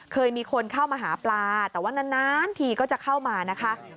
เคยมีคนเข้ามาหาปลาแต่ว่านานทีก็จะเข้ามานะคะ